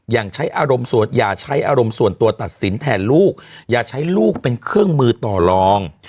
อย่าใช้อารมณ์ส่วนตัวตัดสินแทนลูกอย่าใช้ลูกเป็นเครื่องมือต่อรอง